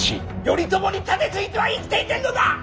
頼朝に盾ついては生きていけんのだ！